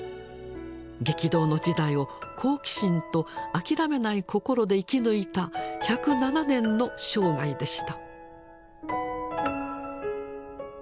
激動の時代を好奇心と諦めない心で生き抜いた１０７年の生涯でした。